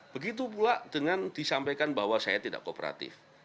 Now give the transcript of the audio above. begitu pula dengan disampaikan bahwa saya tidak kooperatif